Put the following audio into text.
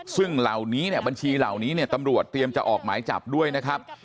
ซึ่งเหล่านี้เนี่ยบัญชีเหล่านี้เนี่ยตำรวจเตรียมจะออกหมายจับด้วยนะครับ